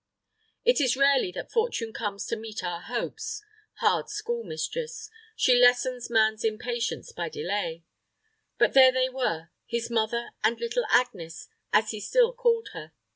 It is rarely that Fortune comes to meet our hopes. Hard school mistress! She lessons man's impatience by delay. But there they were his mother and little Agnes, as he still called her.